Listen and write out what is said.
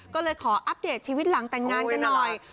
ก็เลยขออัปเดตชีวิตหลังแต่งงานกันหน่อย